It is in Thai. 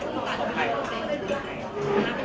โปรดติดตามต่อไป